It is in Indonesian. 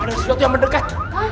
ada sesuatu yang mendekat